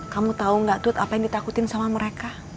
kamu tahu gak dud apa yang ditakutin sama mereka